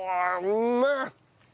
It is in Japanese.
うめえ。